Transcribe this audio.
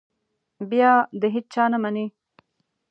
بیا د هېچا نه مني.